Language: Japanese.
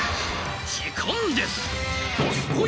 時間です。